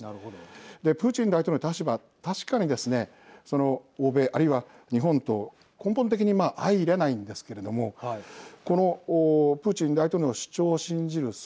で、プーチン大統領の立場確かにですねその欧米あるいは日本と根本的に相いれないんですけれどもこのプーチン大統領の主張を信じる層。